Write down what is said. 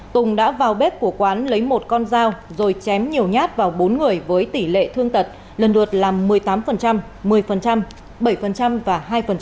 tùng đã vào bếp của quán lấy một con dao rồi chém nhiều nhát vào bốn người với tỷ lệ thương tật lần lượt là một mươi tám một mươi bảy và hai